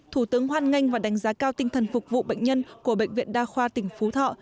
thủ tướng hoan nghênh và đánh giá cao tinh thần phục vụ bệnh nhân của bệnh viện đa khoa tỉnh phú thọ